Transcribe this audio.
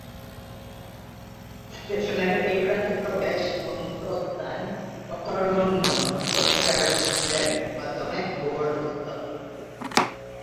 স্টেশনের এই প্রান্তে প্রবেশ এবং প্রস্থান অকর্মণ্য টার্নস্টিলের মাধ্যমে ভূগর্ভস্থ।